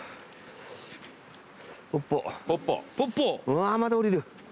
うわまだ下りる。